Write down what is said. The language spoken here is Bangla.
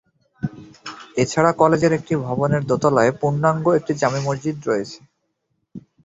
এছাড়া কলেজের একটি ভবনের দোতলায় পূর্ণাঙ্গ একটি জামে মসজিদ রয়েছে।